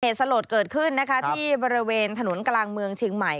เหตุสโหลดเกิดขึ้นที่บริเวณถนนกลางเมืองชิงใหม่